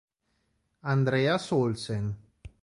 Andreas Olsen